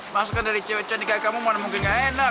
masakan dari cewek cantik kayak kamu mana mungkin gak enak